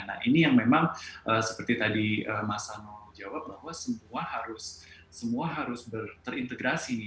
nah ini yang memang seperti tadi mas ano jawab bahwa semua harus terintegrasi